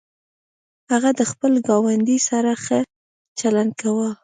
هغه د خپل ګاونډي سره ښه چلند کاوه.